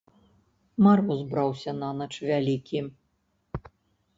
Мароз браўся нанач вялікі.